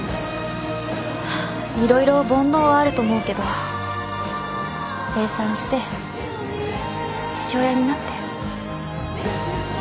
色々煩悩はあると思うけど清算して父親になって。